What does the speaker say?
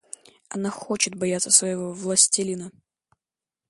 Она хочет бояться своего властелина.